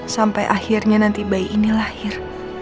sampai akhirnya nanti bayi ini lahir